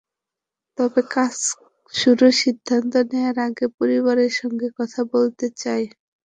তবে কাজ শুরুর সিদ্ধান্ত নেওয়ার আগে পরিবারের সঙ্গে কথা বলতে চাই।